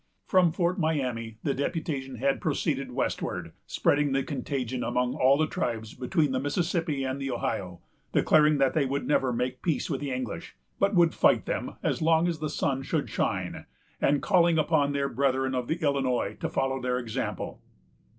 From Fort Miami, the deputation had proceeded westward, spreading the contagion among all the tribes between the Mississippi and the Ohio; declaring that they would never make peace with the English, but would fight them as long as the sun should shine, and calling on their brethren of the Illinois to follow their example.